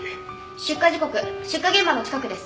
出火時刻出火現場の近くです。